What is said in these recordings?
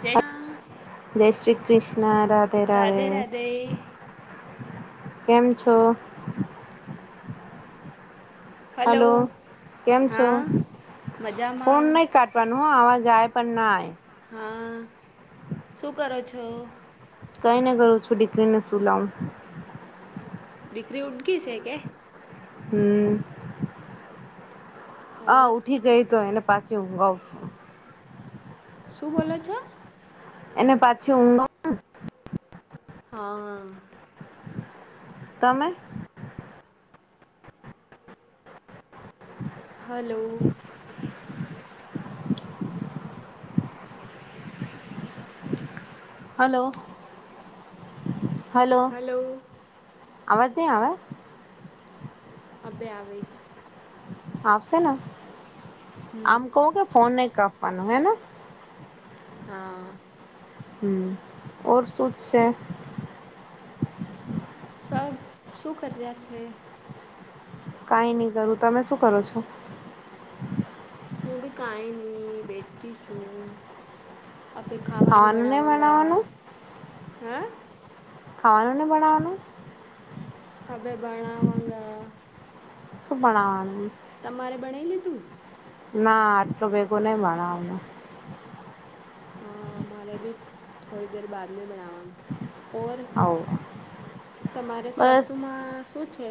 જય શ્રી જય શ્રી કૃષ્ણ ના, રાધે રાધે કેમ છો? હલો કેમ છો હા ફોન મજામાં નહી કાઢવાનું હ અવાજ. જાય પણ ના. હા શું કરો છો. કઈને કરું છું દીકરીને શું લમ. દીકરી ઉડગી છે કે. હમ્મ. હા ઓર ઊઠી ગઈ તો એને પાછી ઊઘવુશું. શું બોલો છો. એને પાછી ઊંઘ. [unintelligible] હા હા. તમે. હલો. હલો. હલો. અવાજ નઈ આવે. અબે આવે. આપશે ને હમ આમ કું કે ફોન નહી કાપવાનું હે ને. હા. હમ્મ ઓર શું છે. સબ શું કર્યા છે. કઈ નહી કરું તમે શું કરો છો. હું બી કઈ ની બેઠી છું. આપણે ખાવાનું નહી બનાવગ બનાવાનું હ. ખાવાનું ન બનાવાનું. અ બે બનાવાંગા. સુું બનાવનું. તમારે બનાઈ લીધું. ના આટલો ભેગો નહીં બણાવાનુ. હા અમારે ભી થોડી દેર બાદ મે બનાવાંગ. ઓર આવું તમારે બસ સાસુમાં શું છે.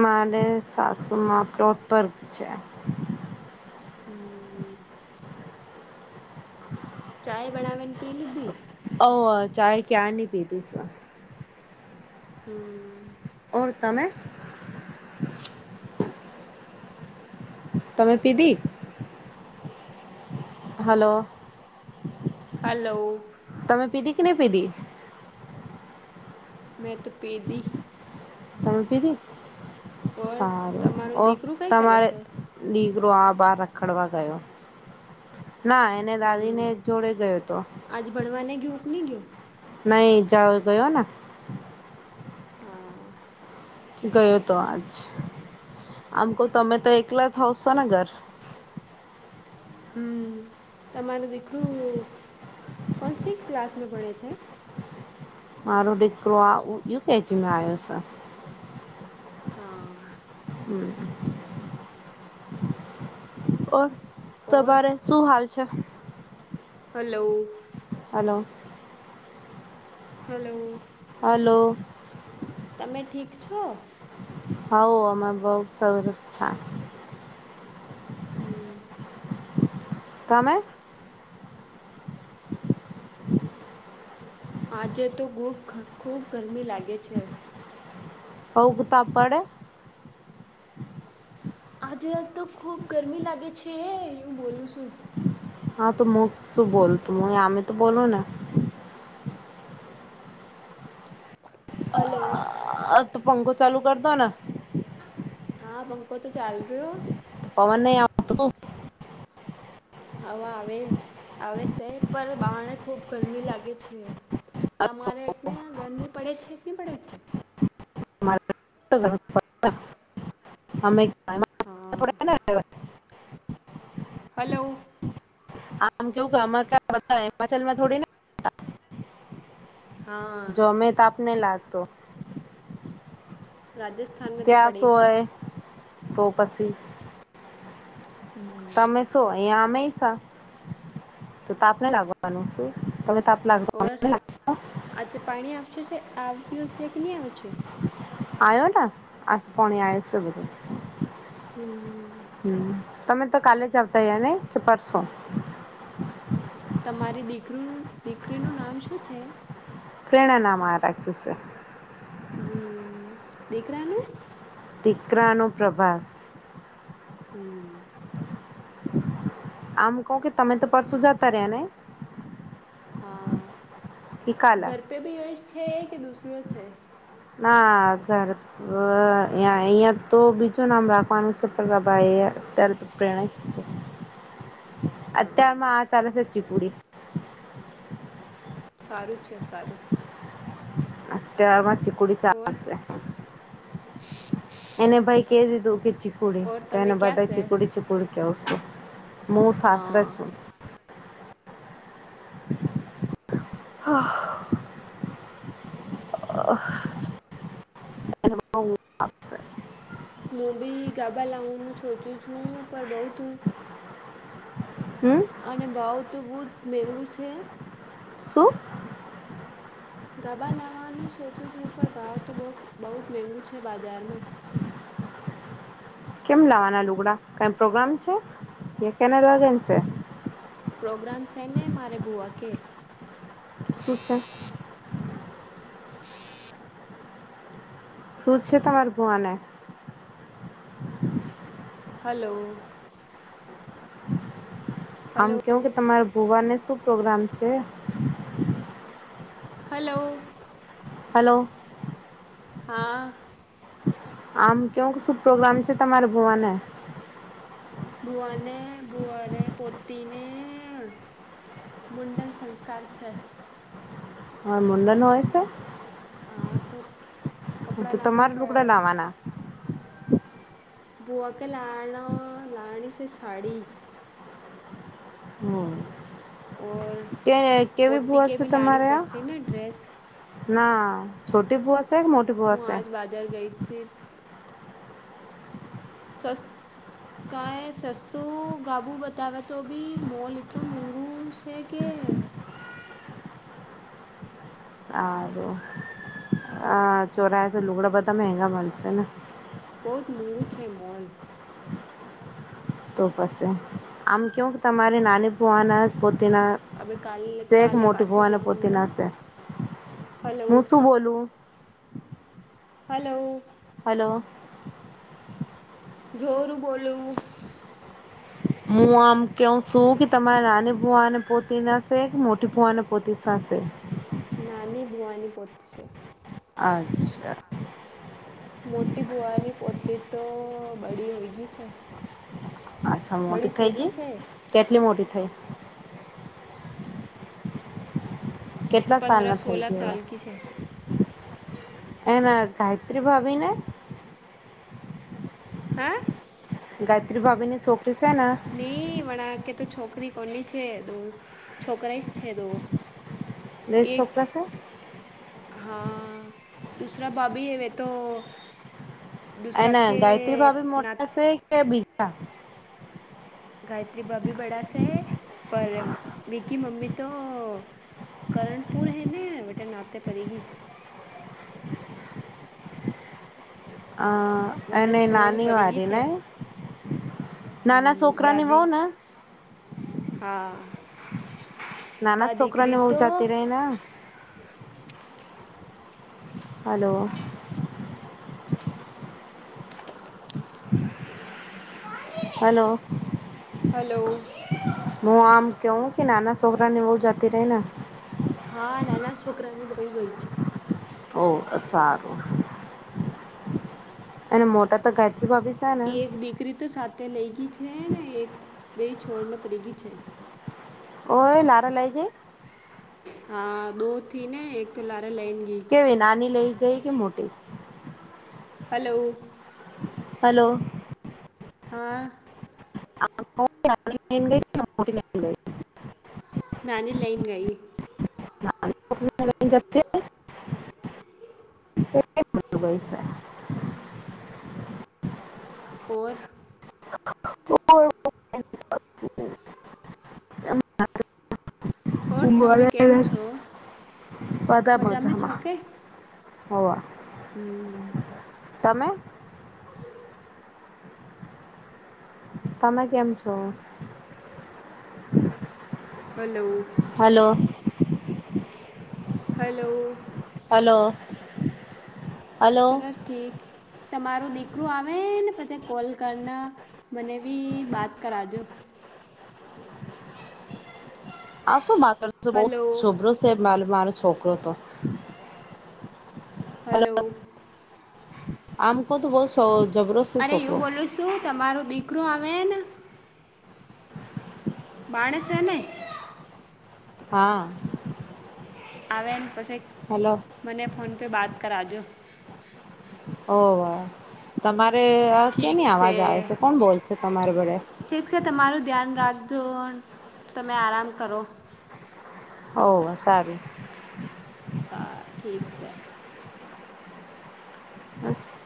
મારે સાસુમાં પ્રોટપર્ક છે. હમ્મ. ચાય બનાવીને પી લીધી. ઓ ચાય ક્યાર ની પીધી છે. હમ્મ. ઓર તમે. તમે પીધી. હલો. હલો. તમે પીધી કે નહી પીધી. મે તો પેડી. તમે પીધી સારું તમારું ઓ દીકરું કંઈ કરે તમારે. છે ગ્રોઆ બાર રખડવા ગયો. ના એને દાદી હમ, ને જોડે ગયો હતો. ની ગયો. નહી ઈજાવ ગયો ને. હા. ગયો તો આજ. આમ કહું તમે તો એકલા જ હવશો ને ઘર. હમ્મ તમારે દીકરું. કોનસી ક્લાાસમે ભણે છે. મારો દીકરો આ યુકેજીમાં આયો છે. હા. હ [unintelligible] ઓર ઓર તમારે શું હાલ છે. હલો. હાલો. હલો. હલો. તમે ઠીક છો. હવ અમે બહ જ સરસ છે. હમ્મ. તમે. આજે તો બુખ ખૂબ ગરમી લાગે છે. ઓઉગતા પડે. આજે આજ તો ખુબ ગરમી લાગે છે, હે હું બોલું છું. હા તો મુ શું બોલતું આમે તો બોલો ને. હલો. આ તો પંખો ચાલુ કરદો ને. હા પંકો તો ચાલ રહ્યો. પવન નહી આવ. [inaudible] હવા આવે આવે છે, પર બહાણે ખૂબ ગરમી લાગે છે. આમ તમારે એટને ગરમી પડે છે એટની પડે છે. [unintelligible] અમે. હા. હલો. હા [unintelligible] જમે તાપ ને લાગતો. રાજસ્થાન મે તો ત્યાં પડે સે. સોય તો પસી. તમે શો અહીયાં આમે છા તો તાપને લાગવાનું શું. તમે તાપ લાગતો ઓર અચ્છે પાણી અચછે છે આ છે કે ન આવે પછે. આવયો ના આ પોણી આયો સગથી. હમ્મ. તમે તો કાલે જ આવતા રયા નઈ, કે પરસો. તમારી દીકરી દીકરીનું નામ શું છે. પ્રેરણાનામાં રાખ્યું છે. હમ્મ દીકરાનું. દીકરાનો પ્રભાસ. હમ્મ. આમ કહો કે તમે તો પરસુ જતા રહ્યા ને. હા કે કાલા ઘર પે ભી યશ છે કે દૂસરો છે. ના ઘર અહિયાં તો બીજું નામ રાખવાનું છે પ્રભા એ. ત્યારે તો પ્રેરણા છે. [unintelligible] હા અત્યારમાં આ ચાલે છે ચિકુડી. સારું છે સારું. અત્યારમાં ચીકુડી ચ ઓર છે. [unintelligible] એને ભાઈ કે દીધું કે ચીકુડી ઓર તો તમે એને ક્યાં બધા છે ચીકુડી ચીકુડી કેવું. મુું સાસર હા છું હા એશે [inaudible] હું બી ગાભા લાવવાનું સોચું છું પણ બઉ તુ હમ અને ભાવ તો બહુ જ મેગુ છે શું ગાબા લાવવાનો સોચું છું પર ભાવ તો બહુ જ મેંગું છે બજારમાં કેમ લાવવાના લુગડા કંઈ પ્રોગ્રામ છે એ કેને લગેન છે પ્રોગ્રામ્સને મારેે ભૂઆ કે સું છે શૂ છે તમાર ભૂઆને હલો આમ હલો કહું કે તમારા ભૂવાને શું પ્રોગ્રામ છે હલોલો હલો હા આમ કેવું શું પ્રોગ્રામ છે તમારા ભુઆ ને ભૂઆને ભુઆને પતિને મુડન સંસ્કાર છે હ મુડન હોય છે હા તો તો તમારે લુગડા લાવવાના બુઅ કે લાણ લાણી સ શાડી હમ કે કેવી ભૂઆ શે તમારે આ ના છોટી ભુ હું આજ બાજાર ગઈ હતી સ્સ્ કાઈ સસ્તું ગાબુ બતાવે તો બી મોલ એટલો મોંઘું છે કે [inaudible] ચોરાય તો લુગડા બધા મગા મળશે ને બહુત મૂઘુ છે મોૉલ. તો પછ આમ કેવ તમારી નાની પોવાના પો પો તેના હવે કાલે શેક કાલે મોટી પાસે ભૂવાને પોતેના જાઉંગા શેક હલો હું શું બોલું. હલો. હલોલો. ઘોરું બોલું. હું આમ કેવું છું કે તમારી નાની ભુવાને પોતી નાસે કે મોટી ભુવાને પોતી થશે. ભુઆની પોતી શે. અચ્છા. મોટી બુવાની પોતી તો બડી હોય ગઈ છે. અચ્છા મોટી થઈ ગઈ કેટલી મોટી થઈ. કેટલા પંદર સાલના થઈ સોળા ગયો સાલ કી છે હવે. એના ગાયત્રી ભાવીને. [inaudible] ગાયત્રી ભાવને શોખ નહી વળકે તો છોકરી કોની છે દો છોકરાય જ છે દો. લે એક છોકરા છે. હા દુસરા ભાભી હવે તો એના ગાયત્રી ભાવી મોટા છે કે બીજા. ગાયત્રી બાાભી બડા સ પર મિકી મમી તો કર્ણપુર હ ને બટટે નાતે પરી ગ મને એને છોન નાની પડી ગઈ વાળી છે ને. નાના હમ, છોકરા નિ દાદી વાવો ના હા વાદીિક છોકરાની વહુ તો જતી રહી ને હલો. હલો. હલો્ હું આમ કેવું કે નાના છોકરા ને બવું જાતી રહી ને. હા નાના છોકરાની બહું ગળ છે. ઓ આ સારું. અને મોટા તો ક એક દીકરી તો સાત તે લઈ ગઈ છે ને એક બે છોડને પડી ગઈ છે. હોય નારા લય જ હા દો થી ને એક લ કેવી નાની લઈ ગઈ કે મોટી. હલોઉ. હલો. [inaudible] ગ મોટી નાની લઈન ગઈ. મલાન જાતે. [inaudible] ઓર. [inaudible] હ ઓર તમે કેમ છો બધા છો મજામાં કે હો હો હમ તમે કેમ છો hello hello [inaudible] hello hello hello ચલો ઠીક તમારું દીકરું આવે ને પછી કોલ કરના મને બી બાત કરાજો આ શું માત્ર બહ હલો છભરું છે મા મારો છોકરો તો હલો આમ ક તો બહુ સ અરે એું બોલું છું તમારો દીકરો આવેને બાણસને હા આવે ને પછી હલો મને ફોન પે બાદ કરજો ઓ તમા અ કેની અવાજ આવે છે કોણ બોલશે તમારે વડે જો તમે આરામ કરો હો સારું હા [inaudible] બસ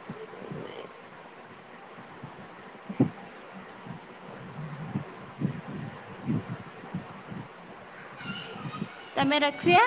તમે [unintelligible]